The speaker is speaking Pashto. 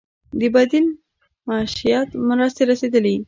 د بدیل معیشت مرستې رسیدلي؟